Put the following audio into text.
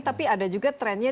tapi ada juga trendnya